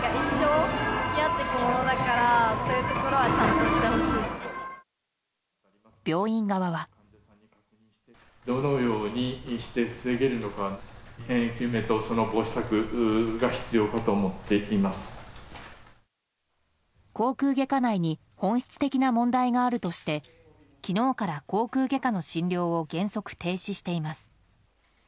口腔外科内に本質的な問題があるとして昨日から口腔外科の診療を原則停止しています。